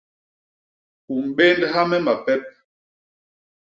U mbéndha me mapep.